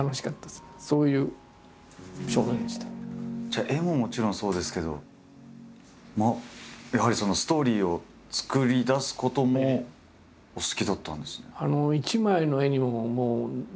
じゃあ絵ももちろんそうですけどやはりストーリーを作り出すこともお好きだったんですね。